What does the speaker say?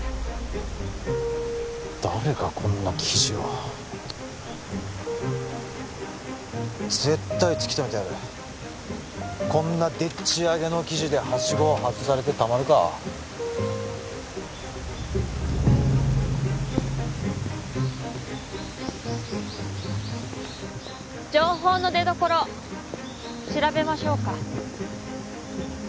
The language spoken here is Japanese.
誰がこんな記事を絶対突き止めてやるこんなでっち上げの記事ではしごを外されてたまるか情報の出どころ調べましょうか？